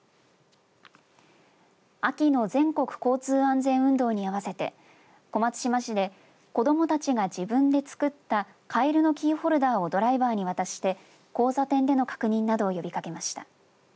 秋の全国交通安全運動に合わせて小松島市で子どもたちが自分で作ったカエルのキーホルダーをドライバーに渡して交差点での確認などを呼びかけました。